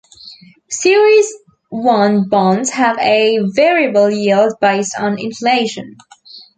Series I bonds have a variable yield based on inflation.